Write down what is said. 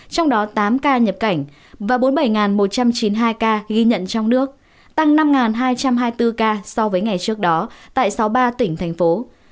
trong đó tám ca nhập cảnh và bốn mươi bảy một trăm chín mươi hai ca ghi nhận trong nước tăng năm hai trăm hai mươi bốn ca so với ngày trước đó tại sáu mươi ba tỉnh thành phố